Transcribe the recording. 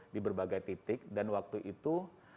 di berbagai titik dan waktu itu